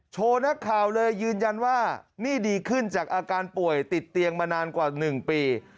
โชว์นักข่าวเลยยืนยันว่านี่ดีขึ้นจากอาการป่วยติดเตียงมานานกว่า๑ปี